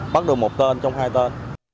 bắt được một tên trong hai tên